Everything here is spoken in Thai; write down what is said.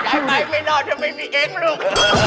อย่าไปไม่นอนถ้าไม่มีเองลูก